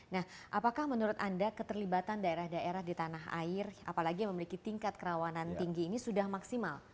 nah apakah menurut anda keterlibatan daerah daerah di tanah air apalagi yang memiliki tingkat kerawanan tinggi ini sudah maksimal